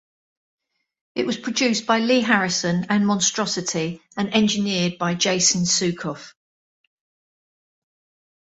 It was produced by Lee Harrison and Monstrosity and engineered by Jason Suecof.